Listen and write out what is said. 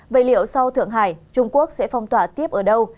vậy liệu sau thượng hải trung quốc sẽ phong tỏa tiếp ở đâu